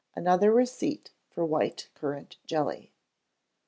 Another Receipt for White Currant Jelly.